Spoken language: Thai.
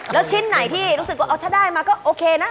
แล้วชิ้นไหนที่รู้สึกว่าเอาถ้าได้มาก็โอเคนะ